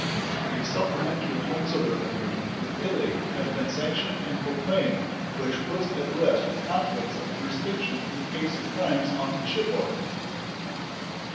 A supplementary consular agreement with Italy has been sanctioned and proclaimed, which puts at rest conflicts of jurisdiction in the case of crimes on shipboard.